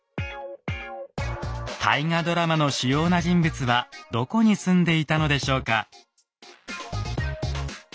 大河ドラマの主要な人物はどこに住んでいたのでしょうか。